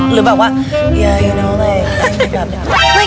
หรือแบบว่า